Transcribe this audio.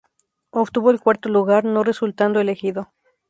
Obtuvo el cuarto lugar, no resultando elegido.